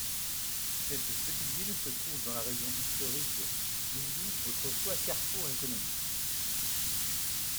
Cette petite ville se trouve dans la région historique du Boundou, autrefois carrefour économique.